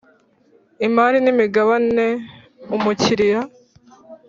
imari n’imigabane umukiriya